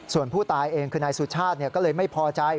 ส่วนผู้ตายเองคือนายสุชาติก็เลยไม่พอใจ